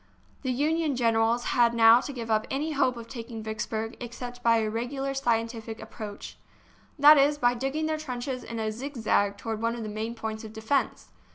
The Union generals had now to give up any hope of taking Vicksburg except by a regular scientific approach; that is, by digging their trenches in a zigzag toward some of the main points of defence.